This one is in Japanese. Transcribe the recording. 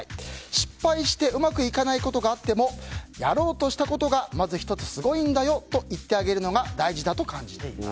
失敗してうまくいかないことがあってもやろうとしたことがまず１つすごいんだよと言ってあげるのが大事だと感じています。